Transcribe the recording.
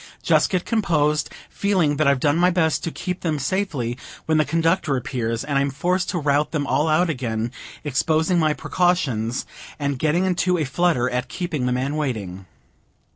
Just get composed, feeling that I've done my best to keep them safely, when the Conductor appears, and I'm forced to rout them all out again, exposing my precautions, and getting into a flutter at keeping the man waiting.